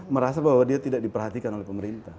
merasa bahwa dia tidak diperhatikan oleh pemerintah